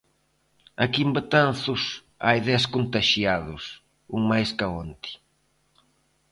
Aquí en Betanzos hai dez contaxiados, un máis ca onte.